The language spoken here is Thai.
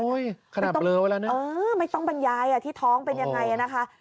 โอ้ยขนาดเปลือกไว้แล้วเนี่ยไม่ต้องบรรยายอ่ะที่ท้องเป็นยังไงน่ะค่ะ